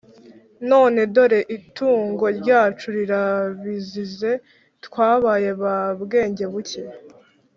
none dore itungo ryacu rirabizize. twabaye ba bwengebuke!»